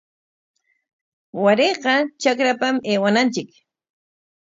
Warayqa trakrapam aywananchik.